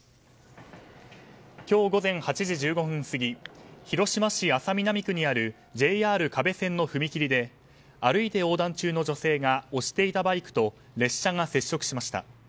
今日午前８時１５分過ぎ広島市安佐南区にあるＪＲ可部線の踏切で歩いて横断中の女性が押していたバイクと列車が接触しました。